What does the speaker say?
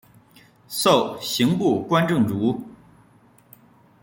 授刑部观政卒。